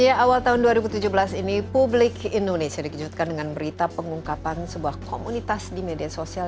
ya awal tahun dua ribu tujuh belas ini publik indonesia dikejutkan dengan berita pengungkapan sebuah komunitas di media sosial